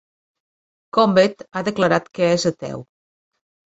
Combet ha declarat que és ateu.